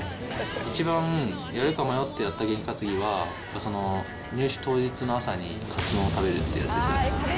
一番やるか迷ってやった験担ぎは、入試当日の朝にカツ丼を食べるってやつですね。